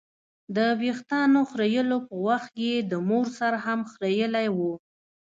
د ویښتانو خریلو په وخت یې د مور سر هم خرېیلی و.